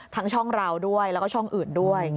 ช่องเราด้วยแล้วก็ช่องอื่นด้วย